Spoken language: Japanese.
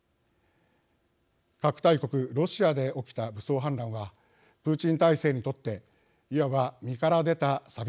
核大国ロシアで起きた武装反乱はプーチン体制にとっていわば身から出たさびでした。